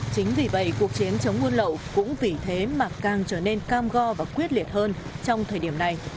chính vì vậy cuộc chiến chống buôn lậu cũng vì thế mà càng trở nên cam go và quyết liệt hơn trong thời điểm này